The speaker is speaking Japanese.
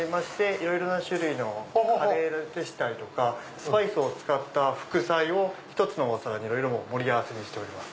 いろいろな種類のカレーでしたりとかスパイスを使った副菜を１つのお皿に盛り合わせてます。